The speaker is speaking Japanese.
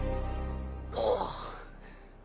ああ。